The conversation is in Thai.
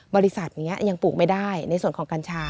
บริษัทนี้ยังปลูกไม่ได้ในส่วนของกัญชา